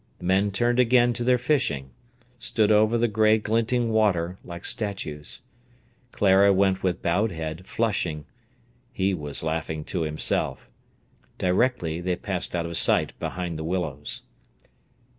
The men turned again to their fishing, stood over the grey glinting river like statues. Clara went with bowed head, flushing; he was laughing to himself. Directly they passed out of sight behind the willows.